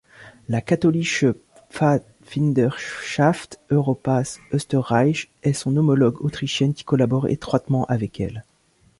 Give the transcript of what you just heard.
La Katholische Pfadfinderschaft Europas-Österreich est son homologue autrichienne qui collabore étroitement avec elle.